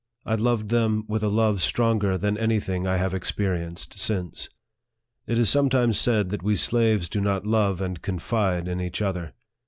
I loved them with a love stronger than any thing I have experienced since. It is sometimes said that we slaves do not love and con fide in each other.